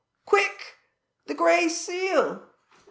Quick! The Gray Seal!"